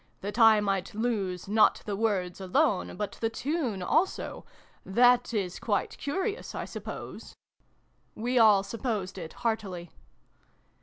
That I might lose, not the words alone, but the tune also that is quite curious, I suppose ?" We all supposed it, heartily.